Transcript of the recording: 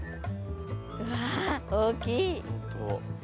うわ大きい。